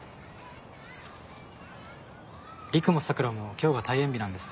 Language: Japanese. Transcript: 陸も桜も今日が退園日なんです。